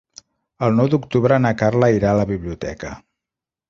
El nou d'octubre na Carla irà a la biblioteca.